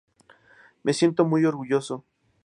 Me siento muy orgulloso.